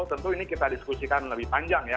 tentu ini kita diskusikan lebih panjang ya